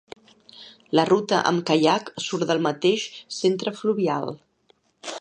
La ruta amb caiac surt del mateix Centre Fluvial.